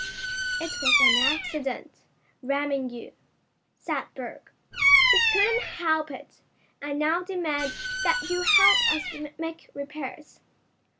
"It was an accident, ramming you," said Berg. "We couldn't help it. I now demand that you help us make repairs."